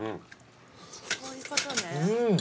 そういうことね。